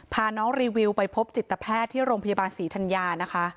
พาน้องรีวิวไปพบจิตแพทย์ที่โรงพยาบาลศรีธัญญานะคะ